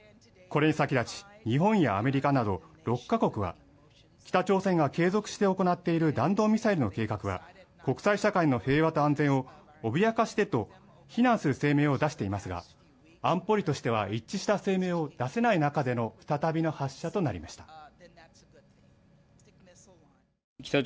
これに先立ち日本やアメリカなど６か国は北朝鮮が継続して行っている弾道ミサイルの計画は国際社会の平和と安全を脅かしてと非難する声明を出していますが安保理としては一致した声明を出せない中での再びの発射となりました